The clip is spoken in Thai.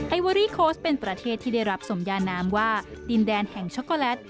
เวอรี่โค้ชเป็นประเทศที่ได้รับสมยานามว่าดินแดนแห่งช็อกโกแลต